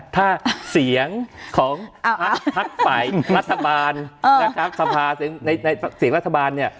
ถ้าเสียงของพักฝ่ายรัฐบาลนะครับสภาในเสียงรัฐบาลเนี่ย